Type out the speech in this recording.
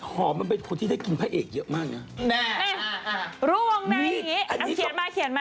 หอมมันเป็นคนที่ได้เกลียดภาพเอกเยอะมากนะ